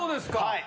はい。